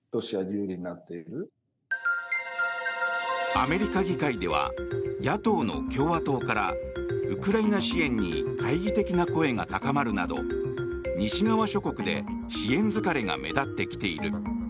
アメリカ議会では野党の共和党からウクライナ支援に懐疑的な声が高まるなど西側諸国で支援疲れが目立ってきている。